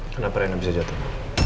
kenapa reina bisa jatuh